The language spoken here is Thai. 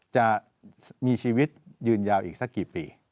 จะมีชีวิตยืนยาวอีกสักกี่ปี